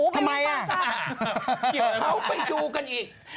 เขาไปดูกันอีก